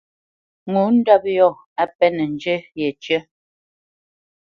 Ŋo ndɔ́p yɔ̂ á pɛ́nǝ zhǝ yecǝ́.